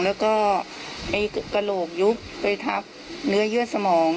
แล้วก็ไอ้กระโหลกยุบไปทับเนื้อเยื่อสมอง